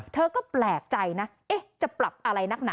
เธอก็แปลกใจนะจะปรับอะไรนักหนา